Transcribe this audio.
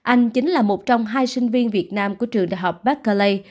anh chính là một trong hai sinh viên việt nam của trường đại học bacallay